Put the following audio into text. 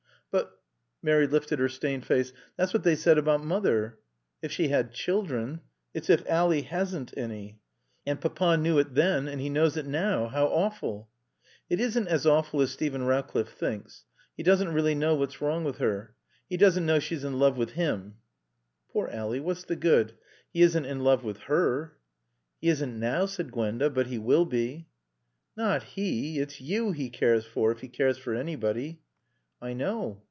"But" Mary lifted her stained face "that's what they said about Mother." "If she had children. It's if Ally hasn't any." "And Papa knew it then. And he knows it now how awful." "It isn't as awful as Steven Rowcliffe thinks. He doesn't really know what's wrong with her. He doesn't know she's in love with him." "Poor Ally. What's the good? He isn't in love with her." "He isn't now," said Gwenda. "But he will be." "Not he. It's you he cares for if he cares for anybody." "I know.